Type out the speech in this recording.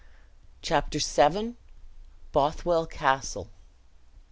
Chapter VII. Bothwell Castle.